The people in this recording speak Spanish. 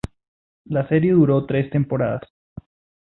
La serie duró tres temporadas.